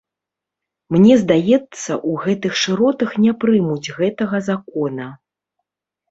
Мне здаецца, у гэтых шыротах не прымуць гэтага закона.